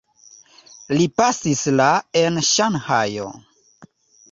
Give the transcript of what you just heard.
Li pasis la en Ŝanhajo.